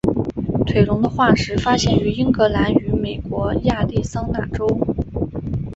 腿龙的化石发现于英格兰与美国亚利桑那州。